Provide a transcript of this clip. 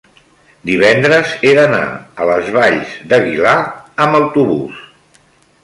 divendres he d'anar a les Valls d'Aguilar amb autobús.